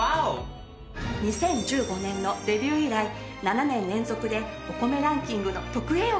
２０１５年のデビュー以来７年連続でお米ランキングの特Ａを獲得。